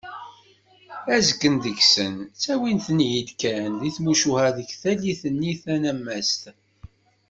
Azgen deg-sen ttawin-ten-id kan d timucuha deg tallit-nni tanammast.